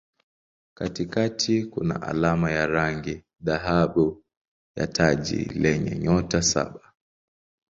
Katikati kuna alama ya rangi dhahabu ya taji lenye nyota saba.